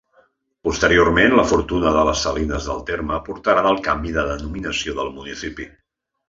Posteriorment, la fortuna de les salines del terme portaren el canvi de denominació del municipi.